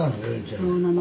そうなの。